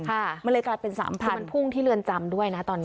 มันเลยกลายเป็นสามพันมันพุ่งที่เรือนจำด้วยนะตอนนี้